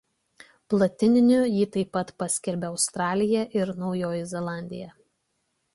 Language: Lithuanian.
Platininiu jį taip pat paskelbė Australija ir Naujoji Zelandija.